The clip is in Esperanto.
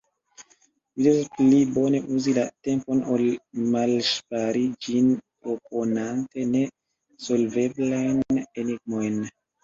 Vi devas pli bone uzi la tempon ol malŝpari ĝin proponante ne solveblajn enigmojn.